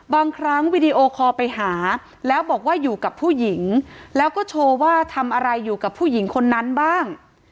บางครั้งวีดีโอคอลไปหาแล้วบอกว่าอยู่กับผู้หญิงแล้วก็โชว์ว่าทำอะไรอยู่กับผู้หญิงคนนั้นบ้าง